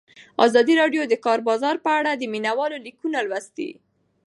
ازادي راډیو د د کار بازار په اړه د مینه والو لیکونه لوستي.